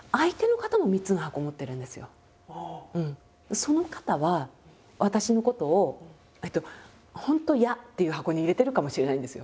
その方は私のことを「本当嫌」っていう箱に入れてるかもしれないんですよ。